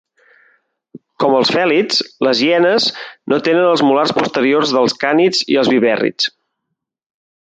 Com els fèlids, les hienes no tenen els molars posteriors dels cànids i els vivèrrids.